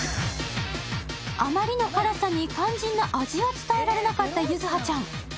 あまりの辛さに肝心の味を伝えられなかった柚葉ちゃん。